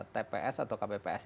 tps atau kpps